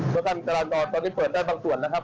เพราะฉะนั้นจราจรตอนนี้เปิดได้บางส่วนนะครับ